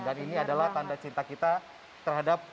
dan ini adalah tanda cinta kita terhadap